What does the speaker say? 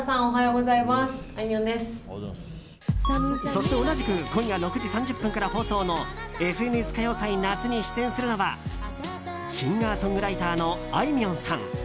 そして同じく今夜６時３０分から放送の「ＦＮＳ歌謡祭夏」に出演するのはシンガーソングライターのあいみょんさん。